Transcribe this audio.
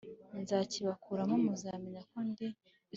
Nkazibakuramo muzamenya ko ndi